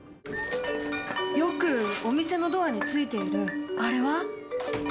よくお店のドアについているあれは？